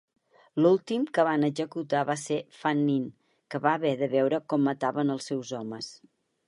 L'últim que van executar va ser Fannin, que va haver de veure com mataven els seus homes.